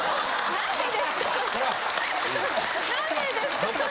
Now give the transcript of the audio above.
何でですか？